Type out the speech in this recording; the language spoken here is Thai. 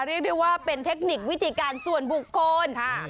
เรียกได้ว่าเป็นเทคนิควิธีการส่วนบุคคล